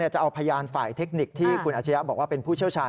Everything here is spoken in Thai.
จะเอาพยานฝ่ายเทคนิคที่คุณอาชญะบอกว่าเป็นผู้เชี่ยวชาญ